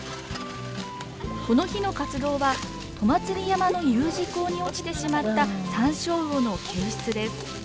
この日の活動は戸祭山のＵ字溝に落ちてしまったサンショウウオの救出です。